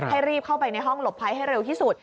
ให้รีบเข้าไปในห้องหลบภัยให้เร็วที่สุด